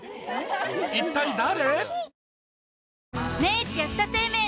一体誰？